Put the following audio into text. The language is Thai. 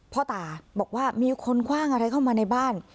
พ่อตาบอกว่ามีคนคว่างอะไรเข้ามาในบ้าน